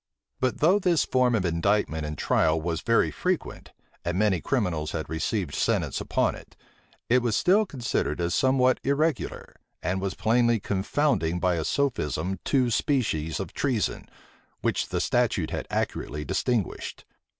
But though this form of indictment and trial was very frequent, and many criminals had received sentence upon it, it was still considered as somewhat irregular, and was plainly confounding by a sophism two species of treason, which the statute had accurately distinguished.